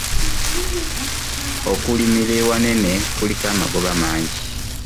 Okulimira awanene kuliko amagoba mangi.